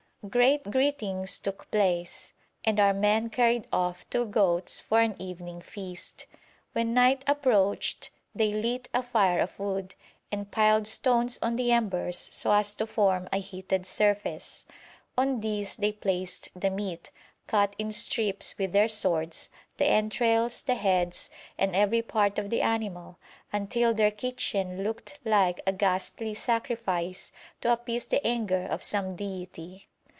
Great greetings took place, and our men carried off two goats for an evening feast. When night approached they lit a fire of wood, and piled stones on the embers so as to form a heated surface. On this they placed the meat, cut in strips with their swords, the entrails, the heads, and every part of the animal, until their kitchen looked like a ghastly sacrifice to appease the anger of some deity.